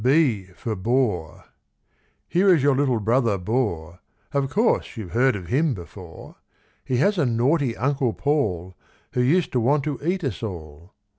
B for Boer. Here is your little brother Boer, Of course, you've heard of him before; He has a naughty Uncle Paul, Who used to want to eat us all.